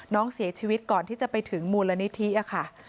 น้องเสียชีวิตก่อนที่จะไปถึงมูลนิธิค่ะ